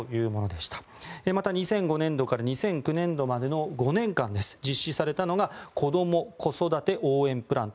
そして、２００５年度から２００９年度までの５年間で実施されたのが子ども・子育て応援プラン。